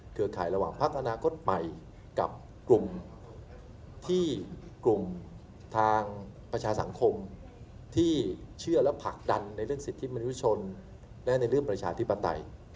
ข่ายระหว่างพักอนาคตใหม่กับกลุ่มที่กลุ่มทางประชาสังคมที่เชื่อและผลักดันในเรื่องสิทธิมนุษยชนและในเรื่องประชาธิปไตย